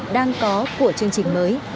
đang có của chương trình mới